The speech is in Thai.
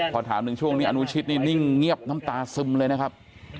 พอถามถึงช่วงนี้อนุชิตนี่นิ่งเงียบน้ำตาซึมเลยนะครับ